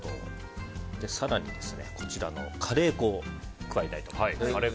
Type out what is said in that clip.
更に、こちらのカレー粉を加えたいと思います。